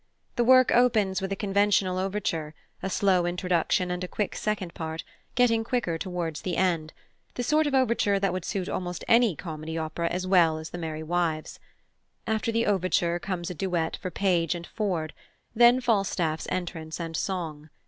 The work opens with a conventional overture, a slow introduction and a quick second part, getting quicker towards the end the sort of overture that would suit almost any comedy opera as well as The Merry Wives. After the overture comes a duet for Page and Ford; then Falstaff's entrance and song.